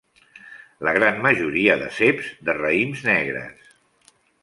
La gran majoria de ceps de raïms negres.